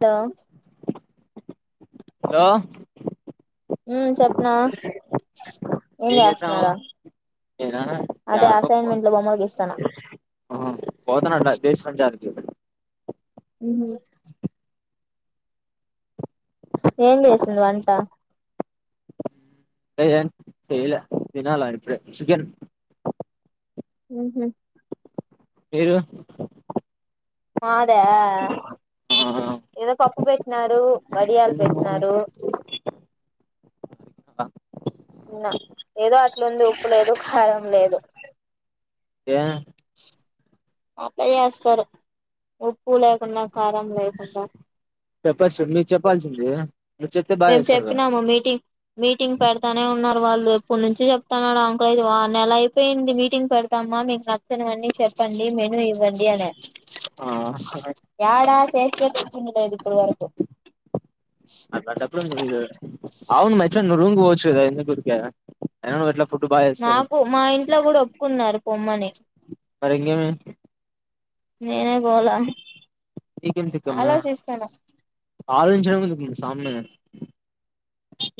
The హ ఉ చెప్ నా ఏం చేస్తన్నారు నేనా అదే అసైన్మెంట్ లో బొమ్మలు గీస్తానా ఆ పోతనట్ల దేశ సంచారి ఉ ఏం చేశారు వంట ై చేయలే తినాలి చికెన్ హమ్ హమ్ మీరు మద ఏదో పప్పు పెట్టినారు వడియాలు పెట్టినరు ఉన్నా ఏదో అట్లుంది ఉప్పు లేదు కారం లేదు ఏ అట్లా చేస్తారు ఉప్పు లేకుండా కారం లేకుండా ఉప్పు కారం చెప్పాల్సింది కదా మీరు చెప్తే బాగా మేము చేస్తారు చెప్పినాము మీటింగ్ మీటింగ్ పెడతానే ఉన్నారు వాళ్ళు ఇప్పుడు నుంచి చెప్తన్నాడు అంకుల్ది నెలా అయిపోయింది మీటింగ్ పెడతామ్మా మీకు నచ్చనివన్నీ చెప్పండి మేను ఇవ్వండి అనే ఎడా ఫేఫచ్చ లేదు ఇప్పుడు వరకు అలాప్పుడు అవును మైట్ రూమ్ కీ పోచ్చు కదా ఎందుకు ఊరికే ఫుడ్ బాగా చేస్తావు మాకు మా ఇంట్లో కూడా ఒప్పుకున్నారు పొమ్మని మరి ఆమ్ అంది నేనే పోాల చికెన్ తింటున్న ఆలోచించ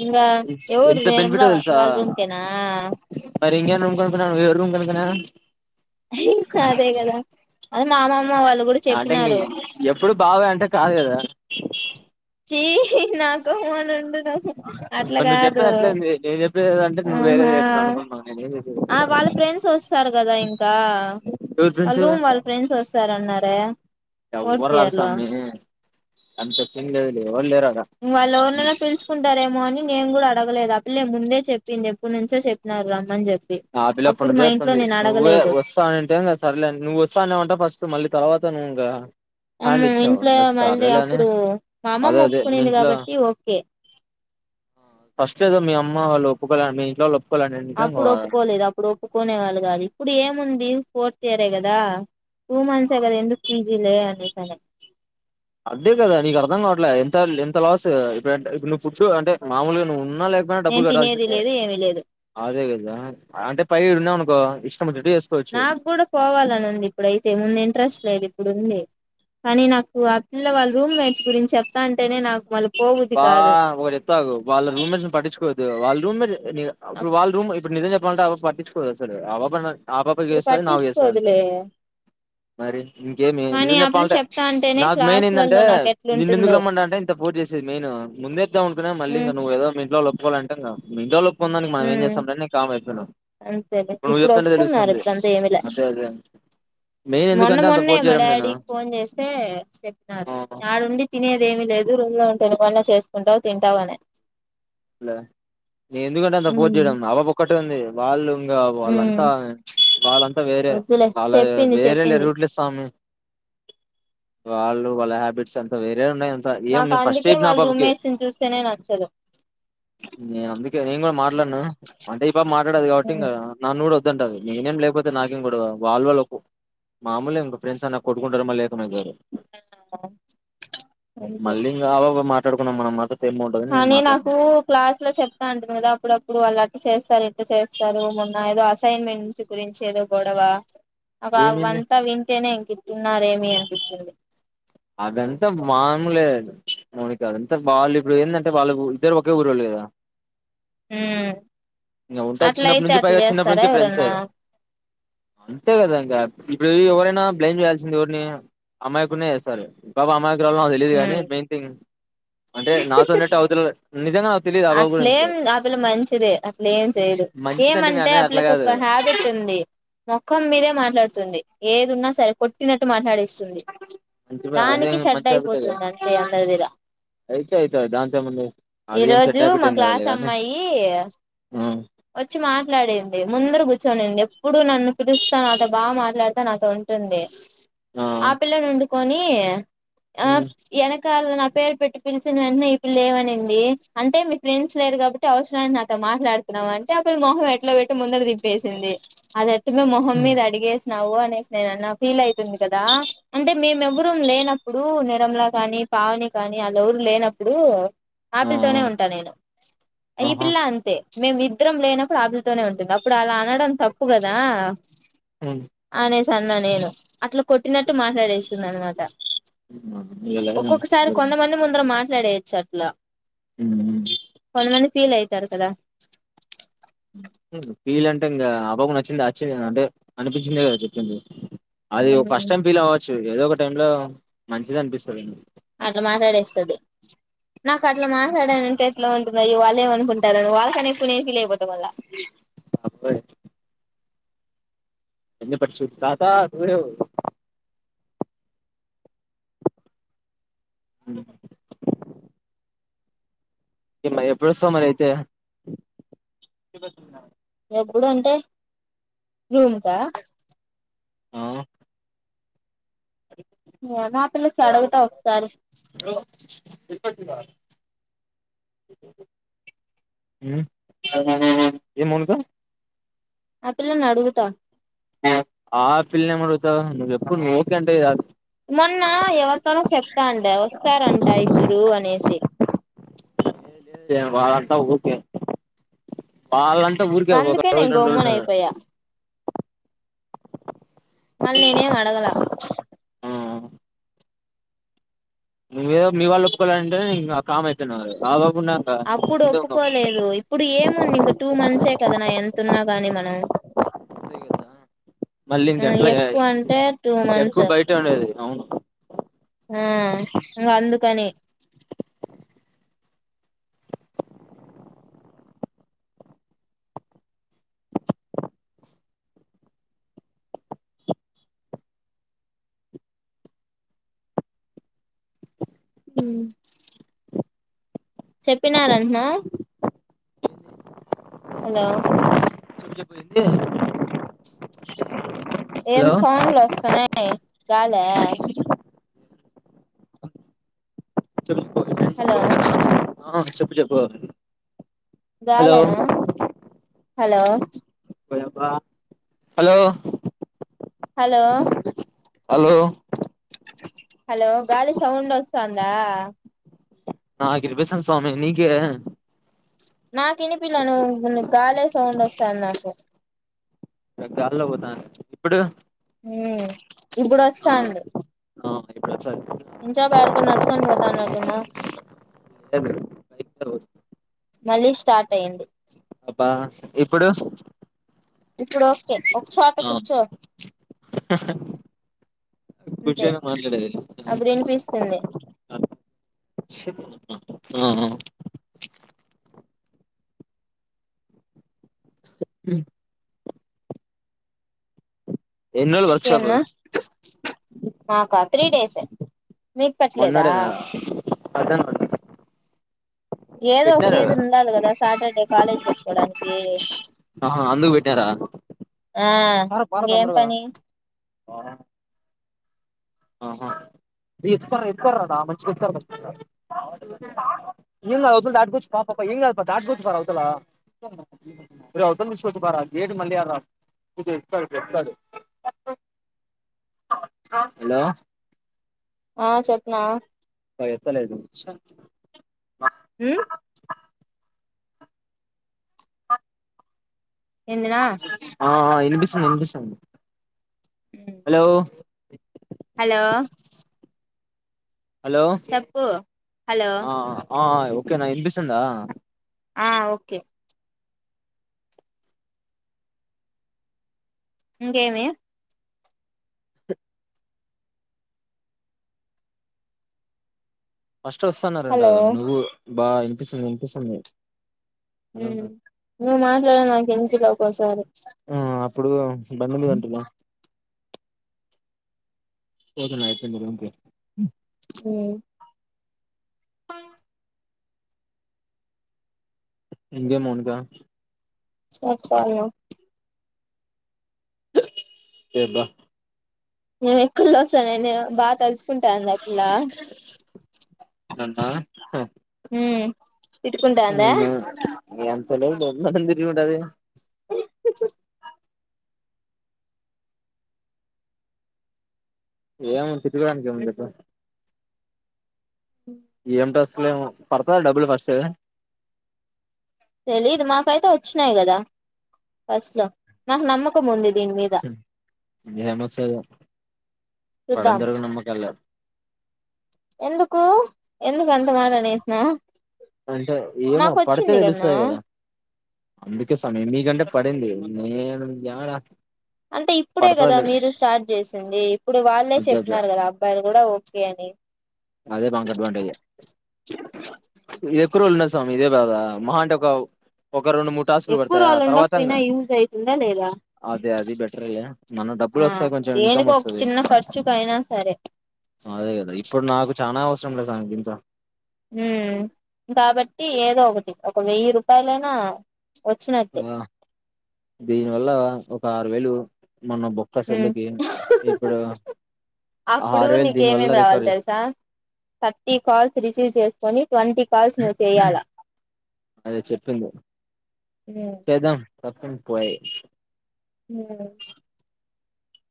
ఇంకా ఎవరు ఎంత బెన్ఫిట్ నిర్మలా హా తెలుసా వాళ్ళ రూమ్కేనా మరి ఇంే ఉం కకనా రూమ్ అదే కదా అదే మా అమ్మమ్మ వాళ్ళు కూడా అంటే ఇంకా చెప్పినారు ఎప్పుడు బాగా అంటే కాదు కదా చి నాకు అట్లా మరి నువ్వు కాదు చెప్పేది అట్లేంది నేను చెప్పేది అంటే నువ్వు వేరేది ఆహా చెప్తున్నావు అనుకున్నావు నేను ఏం చెప్పేది ఆ వాళ్ళ ఎవరి ఫ్రెండ్స్ వస్తారు కదా ఇంకా వాళ్ళ ఫ్రెండ్స్ రూమ్ వాళ్ళ ఫ్రెండ్స్ వస్తారున్నారు ఎవరు రా స్వామి అంత సీన్ లేదు బ్రో వాళ్ళు ఎవరినైనా పిలుసుకుంటారూ ఏమో అని నేను కూడా అడగలేదు అ పిల్లే ముందే చెప్పింది ఎప్పుడు నుంచో చెప్పినారు రమ్మని చెప్పి ఆ పిల్ల ఎప్పటి అప్పుడు నుంచో మా ఇంట్లో చెప్తుంది నేను నువ్వే అడగలేదు వస్తా అంటే సరలేదు నువ్వు వస్తా అనే ఏమంటా ఫస్ట్ మళ్ళీ తర్వాత సనుంగా అమ్మో ఇంట్లో మళ్ళీ అప్పుడు మా అదే అమ్మమ్మ అదే మీ ఒప్పుకునింది ఇంట్లో కాబట్టి ఓకే ప్పుకోదా మీ ఇంట్లోళ్ళు ఒ ప్పుకోలన్ టనవ లేదు అప్పుడు ఒప్పుకునే వాళ్ళు కాదు ఇప్పు ఏముం దీ ఫోర్త్ ఇయరే కదా టూ మంత్స్ ఎ గదా ఎందుకు పిజి లే అనేసాని అదే కదా నీకు అర్థం కావట్లే ఎంత ఎంత లాస్ ఇప్పడన్ నువ్వు పుడ్టు అంటే మాములుగా నువ్వు ఉన్ న్నా లేకపోయినా నేను డబ్బులు కట్టాల్సి తినేది లేదు ఏమి లేదు అదే కదా అంటే పై ఇడ ఉన్నావ్ అనుకో ఇష్ నాకు కూడా పోవాలని ఉంది ఇప్పుడైతే ముందు ఇంట్రెస్ట్ లేది ఇప్పుడుంది కానీ నాకు ఆ పిల్ల వాళ్ళ రూమ్ మేట్స్ గురించి చెప్తా అంటేనే నాకు వాళ్ళ బా ఒకటి చెప్తాగు వాళ్ళ రూమ్స్ పట్టించుకోద్దు వాళ్ళ రూమ్ మెట్స్ ని ఇప్పుడు వాళ్ళ రూమ్ ఇప్పుడు నిజం చె ంటవ పట్టిుకోద్ద అసలు అవ్వ పని ఆ పాపకి ఇప్పుడు చేస్తది నాకు చేస్తది అంతే పట్టించుకోదులే మరి ఇంకేమి కానీ నిజం ఆ పిల్ల చెప్పాలంటే చెప్తా అంటేనే నాకు మెయిన్ క్లాసులలో ఏందంటే నాకు నిన్ను ఎందుకు ఎట్లుంటుందో రమ్మం అంటే ఇంత పోటీ చేసి మెయిన్ ముందేప్దా మనుకున్నా ఉమ్ మళ్ళీంక నువ్ ఏదో మీ ఇంట్లో వాళ్ళు ఒ చెవాలంటర్ గా మీ ఇంట్లో ల్లో ఉమ్ అంతేలే నువ్వు ఇప్పుడు చెప్తుంటే ఒప్పుకున్నారు తెలుస్తుంది ఇప్పుడుంతా ఏమి లే అదే అదే మెయిన్ మొన్న ఎందుకంటే అంత మొన్నే ఫోర్స్ మా చేయడం నేను డాడీ ఫోన్ చేస్తే చెప్పినారు ఆ ఆడుండి తినేది ఏమి లేదు రూమ్ లో పెరుగన్న చేసుకుంటావు తింటావు అనే అలా నేన్ ఎందుకంట అంత ఫోర్స్ చేయడం అబ ఒక్క టాంది వాళ్ళు ఇంకా ఉమ్ వాళ్ళంతా వాళ్ళంతా వేరే వద్దులే వాళ్ళ చెప్పింది వేరే లే చెప్పింది రూట్లు ఇస్తామి వాళ్ళు వాళ్ళ హ్యాబిట్స్ అంత వేరే ఉన్నాయి అంతా ఏం నాకు నేను ఫస్ట్ అందుకే చెప్పిన ఆ వాళ్లు పాపకి రూమ్మేట్స్ ని చూస్తేనే నచ్చదు నేను అందుకే నేను కూడా మాట్లాను అంటే ఈ పాప మాట్లాడదు కాబట్టి ఇంకా నన్న నన్ను కూడా వద్దంటది నేనేం లేకపోతే నాకేం గొడవ వాళ్లు వాళ్ళ మాములే ఇంక ఫ్రెండ్స్ అన్నాక కొడుకుంటారు మల్లె గారు అంతే మళ్ళీం అ వ వో మా పడుకున్నాం మనం మకె ! ! ! ! ! ! ! నేను మాట్లాడుకున్న కు క్లాస్ లో చెప్తా అంటరు కదా అప్పుడప్పుడు వాళ్ళ చేస్తారు ఇట్లా చేస్తారు మొన్న ఏదో అసైన్మెంట్ గురించి ఏదో గొడవ అవ ఏమైంది వంతా వింతేనే ఇంకి అంటున్నారేమి అనిపిస్తుంది అదంతా బాన్లేదు మనికి అదంతా బాాలు ఇప్పుడు ఏంటంటే వాళ్ళు ఇద్దరు ఒకే ఊరళ్ళు కదా ఉమ్ ఇంకా ఉంటది చిన్నప్పటి అట్లయితే నుంచి అట్లా పైగా చిన్నప్పటి చేస్తారా నుంచి ఫ్రెండ్సే ఎవరన్నా అంతే కదా ఇంకా ఇప్పుడు ఎవరైనా బ్లెయిమ్ చేయాల్సింది ఎవరిని అమ్మాయికు సరే బబా అమా తెలీయదు కాని ఉమ్ మెయిన్ థింగ్ అంటే నాతోన్నట్టు అవతుల నిజంగా తెలియదు ఆ బాబు గురించి అట్లేం అపిల మంచిదే అట్లే ఏం చేయదు మంచిదంటే నేను ఏమంటే ఆ అనేది అట్లా పిల్లకి కాదు ఒక హ్యాబిట్ ఉంది మొఖం మీదే మాట్లాడు ంది ఏది ఉన్నా సరి కొట్టినట్టు మాట్లాడిస్తుంది మంచి అదే దానికి చెడ్డ మంచి హ్యాబిటే కదా అయిపోతుంది అంతే అందరి దగ్గర అయితే అయితది దాంతో ఏముంది అదేం ఈరోజు చెడ్డ రు హ్యాబిట్ మా ఏం కాదులే క్లాస్ గాని అమ్మాయి ఆ వచ్చి మాట్లాడింది ముందర కూర్చొనింది ఎప్పుడు నన్ను పిలుస్తాను అత బాగా మాట్లాడ డి ంది ఆ పిల్ల నుండు కొని ఆక అ నా పేరు పెట్టి పిలిచిన వెంటనే ఇప్పు లేవమనింది అంటే మీ ఫ్రెండ్స్ లేరు కాబట్టి అవసరమైన నాతో మాట్లాడుతున్నాం అంటే అప్పులు మొహం ఎట్లా పెట్టి ముందర ది వేసింది అదట్టుమే మొహం మీద అడిగే నవవు అనే స్నే ఫీల్ వు ంది కదా అంటే మేము ఎవ్వర లేనప్పుడు రంలా కాని పావని కానీ ఆలఊరు లేనప్పుడు ల తనే ఆ ఉంటా నేను ఈ ఆహా పిల్ల అంతే మేము ఇద్దరం లేనా ప్రాబ్లం నే ఉంటుంది అప్పుడు అలా అనడం తప్పు కదా అనేసి అన్న నేను అట్లా కొట్టినట్టు మాట్లాడేస్తుంది అనమాట ఒక్కొక్కసారి కొంతమంది ముందర మాట్లాడేు చెట్లా కొంత మంది ఫీల్ యితే ారు కదా ఫీల్ అంటే ఇంకా ఆబాకు నచ్చిందిచ్చి అంటే అనిపించిందే కదా చెప్పింది అది ఫస్ట్ టైం ఫీల్ అవ్వచ్చు ఏదో ఒక టై లో మంచిది అనిపిస్తుందిండి అట్లా మాట్లాడేస్తుంది నాకు అట్లా మాట్లాడానంటే ఎట్లా ఉంటుంది వాళ్ళు ఏమనుకుంటారని వాళ్ళకని ఎక్కువ న ఏం ఫీల్ అయిపోతా మళ్ళ బబ ఎ పరిచ్చ తాత సుే అ ఇ ఎప్పుడు వస్తావు మరి అయితే ఎప్పుడు అంటే రూమ్ కా మా పిల్లకి హలో అడుగుతా ఒకసారి ఎ ఉమ్ ఏం మానస ఆ పిల్లని అడుగుతా ఆ పిల్లని ఏం అడుగుతావ్ నువ్ చెప్పు నువ్ ఓకే అంటే ఆ మొన్న ఎవరితోనో చెప్తాండ వస్తారంట ఇద్దరు అనేసి వాళ్ళంతా ఓకే వాళ్ళం ఊరికే ఒక అందుకే రోజు నేను రెండు రోజులు గొమ్మన ఉండాలి కదా మళ్ళ నేనేం అడగలా ఆ నువ్వేదో మీ వాళ్ళు ఒప్పుకోలంటే ఆ కామ్ అయిపోయినా బ అప్పుడు ఒప్పుకోలేదు ఇప్పుడు ఏముంది ఇంక టూ మంత్సే కదా నా ఎంతున్నా గాని మనం మళ్ళీ ఇంక ఆ ఎట్లా ఎక్కువ అంటే టూ ఎక్కువ మంత్స్ బయట ఉండేది అవును ఆ ఇంకా అందుకని ఉమ్ చెప్పినారంటనా హలో చూసేకి పోయింది ఏంది సౌండ్లు వస్తున్నాయి గాలా చెప్పుకో హలో [unintelligible] ఆ చెప్పు చెప్పు హలో గాలా నా హలో ఓయబ్బ హలో హలో హలో హలో గాలి సౌండ్ వస్తోందా నాకి వినిపిస్తాంది స్వామి నీకే నాకు వినిపిలా నువ్వు గాలే సౌండ్ వస్తాంది నాకు ఈడ గాల్లో పోతాను ఇప్పుడు ఉమ్ ఇప్పుడు ఆ వస్తాంది ఆ ఇప్పుడు ఒచ్చంది [unintelligible] యాడికో నర్సుకోని పోతాన్నటున్నా లేదు మళ్ళీ స్టార్ట్ అయింది అబ్బా ఇప్పుడు ఇప్పుడు ఓకే ఒక చోట కూర్చో అంతే కూర్చొనే మాట్లాడేది అప్పుడు వినిపిస్తుంది ఉహూ ఎన్ని రోజులు వర్క్శాప్ ఇంకేమన్నా మాకా త్రీ డేస్ ఏ మనాడేనా మధ్యానం అండి ఏదో ఒక రీజన్ ఉండాలి కదా సాటర్డే కాలేజ్ పెట్ కోడానికి ఆ అందుకు పెట్టినరా ఆ ఇంకేం పని ఇత్ ఇకారద మంచి ఇంగ్ అత దాట్ గుచ్చ పా పాపంగ్ అ ప దాట్ గుచ్చ బారా అవతల అత ఇచ్చ బార గేట్ మళ్ళ అ హలో ఆ చెప్నా త ఎత్తలేదు చా హ్మ్ ఎందినా ఆ వినిపిస్తుంది వినిపిస్తుంది ఉమ్ హలో హలో హలో చెప్పు హలో ఆ ఆ ఓకే నా వినిపిస్తుందా ఆ ఓకే ఇంకెమి ఫస్ట్ వస్తున్నారంట హలో కదా నువ్వు బా వినిపిస్తుంది వినిపిస్తుంది అలా హ్మ్ ఉంటది నువ్వు మాట్లాడని దానికి ఎందుకు ఫీల్ అవుతారు సారు ఇప్పుడు బంద్ మీదంటూనే పోతన్న అయిపోయింది రూమ్ కి హ్మ్ ఇంగేమ్ మౌనిక చెప్పాలా ఎ బా నేను ఎక్కల్ వస్ తన నేను బాగా తలుచుకుంటాందా పిల్ల నన్నా హ్మ్ తిట్టుకుంటాందా తెలవదు బాబు నన్ని ఎందుకు తిట్టుకుంటాది ఏం ఉంది తిట్టడానికి ఏం ఉంది చెప్పు ఏం టాస్క్ [unintelligible] పడతదా డబ్బుల్ ఫస్ట్ తెలిదు మాకైతే వచ్చినాయి కదా ఫస్ట్ లో నాకు నమ్మకం ఉంది దీని మీద ఏం వస్తాయో చుద్దాం ఎందుకు ఎందుకు అంత మాట అనేస్ నావ్ అంటే ఏమో పడితే తెలుస్తది కదా అందుకే సమయం మీకంటే పడింది నేను జాడా అంటే ఇప్పుడే కదా మీరు స్టార్ట్ చేసింది ఇప్పుడు వాళ్ళే అబ్బబ్బ చెప్పినారు కదా అబ్బాయిలు కూడా ఓ కే అని అదే బంగ అడ్వాంటేజ్ ఇది ఎప్పురు ఉన్నసరే అంత మీదే కదా మహా అంటే ఒక ఒక రెండు మూడు టాసులు ఎక్కువ పడతాయా రోజులు తర్వాత ఉండకపోయినా యూజ్ అయితుందా లేదా అదే అది బెటరే లే అ మనం డబ్బులు ఆ వస్తాయి కొంచం ఇన్కం దేనికో ఒక వస్తుంది చిన్న ఖర్చుకైనా సరే అదే కదా ఇప్పుడు నాకు నా అవసరం లేద అండి ఇంకా ఉ కాబట్టి ఏదో ఒకటి ఒక వెయ్యి రూ తలనా ఆ దీనివల్ల ఆరు వేలు మొన్న బొక్క సెల్లుకి ఇప్పుడు ఆ అప్పుడు ఆరు వేలు దీని వల్ల నీకేమేమి రావాలి రికవర్ చేస్ తెలుసా థర్టీ కాల్స్ రిసీవ్ చేసుకొని ట్వంటీ కాల్స్ నువ్వు చెయాల అదే చెప్పింది పర్ సేంట్ పోయె ఉమ్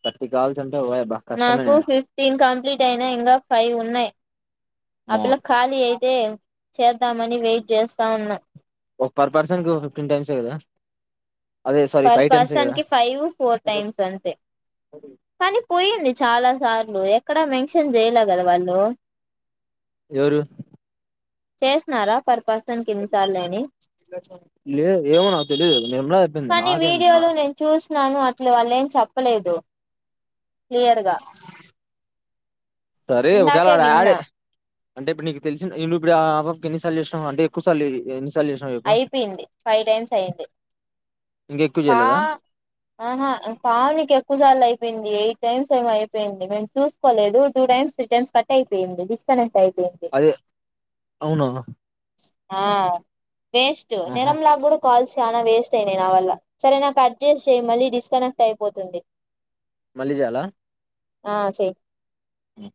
తట్టికాల్స్ అంట్ నాకు ఫిఫ్టీన్ కంప్లీట్ అయినా ఇంకా ఫైవ్ ఉన్నాయి ఆ అమ్మో పిల్ల ఖాళీ అయితే చేద్దామని వెయిట్ చేస్తా ఉన్నాం ఒక పర్ పర్సన్ టు క ప్రింటెన్స్ చేయిరా పర్ పర్సన్ కి ఫైవ్ ఫోర్ టైమ్స్ అంతే కానీ పోయింది చాలా సార్లు ఎక్కడ వెం షన్ జయలగద వాళ్ళు ఎవరు చేసినారా పర్ పర్సన్ కి ఇన్నిసార్లు అని లేద్ ఏమో నాకు తెలీదు నేను ఉన్న చెప్పింది కానీ నాకేం నా వీడియోలు నేను చూస్తున్నాను అట్లు వాళ్ళే ఏం చెప్లా చెప్పలేదు క్లియర్గా సరే ఒకవేళ ఇందాకే ఆడ యాడే విన్నా అంటే ఇప్పుడు నీ తెలిసి నేవవు ఇప్పు ఆకి ఎన్నిసార్లు చేసినావు అంటే ఎక్కు సార్లు చేసిన అయిపోయింది ఫైవ్ టైమ్స్ అయింది ఇంకా ఎక్కువ పా చేయలేదా ఆహా పా నీకు ఎక్కువ సార్లు అయిపోయింది అయిపొంది ఎయిట్ టైమ్స్ ఏమ అయిపోయింది మేము చూసుకోలేదు two times three times cut అయిపోయింది తీసుస్తనే అదే అవును అవును ఆ వేస్ట్ నిరంలా గుడు కాల్స్ చాలా వేస్ట్ అయినాయి నా వల్ల సరే నాకు కట్ చేసి చెయ్ మళ్ళీ డిస్కనెక్ట్ అయిపోతుంది మళ్ళీ జెయలా ఆ చెయ్ ఉమ్